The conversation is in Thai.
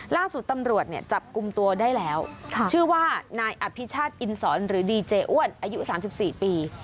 ล่าสุดตำรวจเนี่ยจับกลุ่มตัวได้แล้วชื่อว่านายอภิชาติอินสอนหรือดีเจอ้วนอายุ๓๔ปี